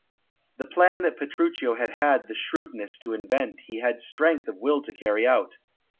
The plan that Petruchio had had the shrewdness to invent he had strength of will to carry out.